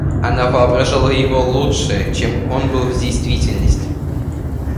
Она воображала его лучше, чем он был в действительности.